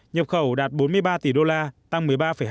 nhập khẩu đạt bốn mươi ba tỷ đô la tăng một mươi ba hai